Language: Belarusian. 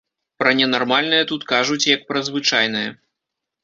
Пра ненармальнае тут кажуць, як пра звычайнае.